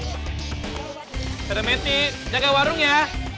dadah meti jaga warung ya